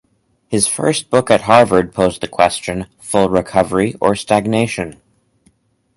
His first book at Harvard posed the question Full Recovery or Stagnation?